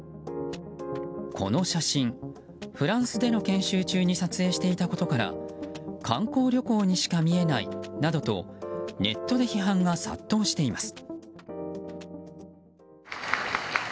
この写真、フランスでの研修中に撮影していたことから観光旅行にしか見えないなどとネットで批判が殺到しています。